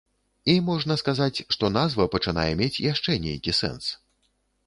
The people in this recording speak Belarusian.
І можна сказаць, што назва пачынае мець яшчэ нейкі сэнс.